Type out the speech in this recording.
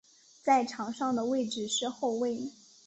在场上的位置是后卫。